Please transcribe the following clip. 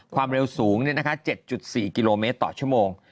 ความเร็วสูงเนี่ยนะคะ๗๔กิโลเมตรต่อชั่วโมง